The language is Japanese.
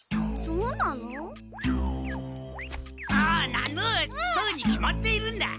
そうに決まっているんだ！